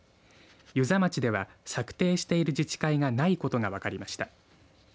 遊佐町では策定している自治会がないことが分かりました。